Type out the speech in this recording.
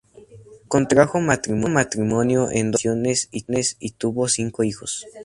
Contrajo matrimonio en dos ocasiones y tuvo cinco hijos.